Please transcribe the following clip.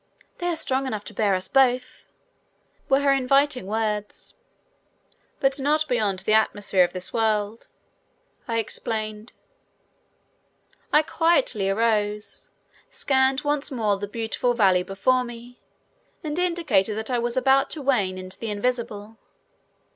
"They are strong enough to bear us both," were her inviting words. "But not beyond the atmosphere of this world," I explained. I quietly arose, scanned once more the beautiful valley before me, and indicated that I was about to wane into the invisible.